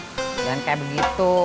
jangan kayak begitu